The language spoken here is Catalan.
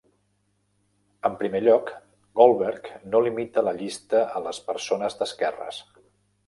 En primer lloc, Goldberg no limita la llista a les persones d'esquerres.